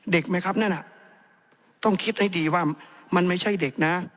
ไหมครับนั่นน่ะต้องคิดให้ดีว่ามันไม่ใช่เด็กนะ